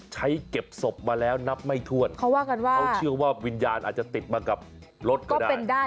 ใช้เก็บศพมาแล้วนับไม่ถ้วนเขาเชื่อว่าวิญญาณอาจจะติดมากับรถก็ได้